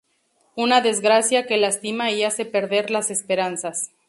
Una desgracia que lastima y hace perder las esperanzas.